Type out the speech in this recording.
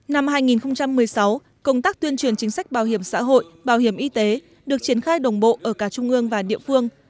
năm hai nghìn một mươi sáu công tác tuyên truyền chính sách bảo hiểm xã hội bảo hiểm y tế được triển khai đồng bộ ở cả trung ương và địa phương